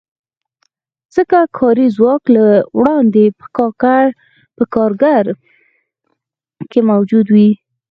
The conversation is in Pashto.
ځکه کاري ځواک له وړاندې په کارګر کې موجود وي